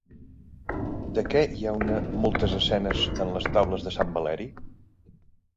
De què hi ha moltes escenes en les taules de sant Valeri?